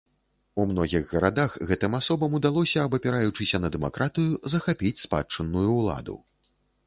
У многіх гарадах гэтым асобам удалося, абапіраючыся на дэмакратыю, захапіць спадчынную ўладу.